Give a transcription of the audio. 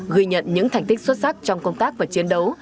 ghi nhận những thành tích xuất sắc trong công tác và chiến đấu